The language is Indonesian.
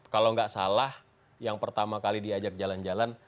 kalau nggak salah yang pertama kali diajak jalan jalan